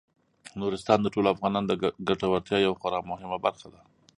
نورستان د ټولو افغانانو د ګټورتیا یوه خورا مهمه برخه ده.